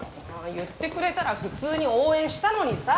言ってくれたら普通に応援したのにさぁ！